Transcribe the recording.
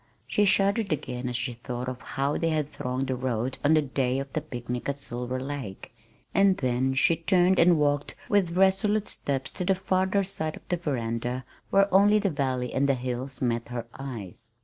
She shuddered again as she thought of how they had thronged the road on the day of the picnic at Silver Lake and then she turned and walked with resolute steps to the farther side of the veranda where only the valley and the hills met her eyes.